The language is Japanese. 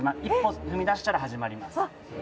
１歩踏み出したら始まります。